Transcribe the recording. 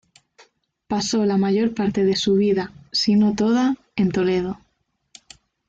Pasó la mayor parte de su vida, si no toda, en Toledo.